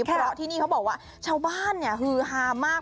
เพราะที่นี่เขาบอกว่าชาวบ้านฮือฮามาก